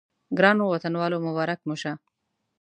ګرانو وطنوالو مبارک مو شه.